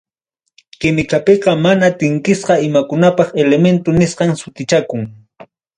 Quimicapiqa mana tinkisqa imakunapaq elemento nisqan sutichakun.